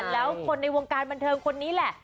แล้วคนในวงการบันเทิงคนนี้แหละ